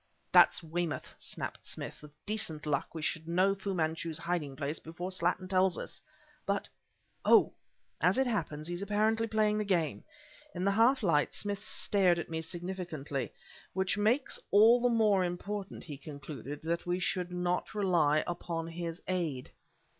"That's Weymouth!" snapped Smith. "With decent luck, we should know Fu Manchu's hiding place before Slattin tells us!" "But " "Oh! as it happens, he's apparently playing the game." In the half light, Smith stared at me significantly "Which makes it all the more important," he concluded, "that we should not rely upon his aid!"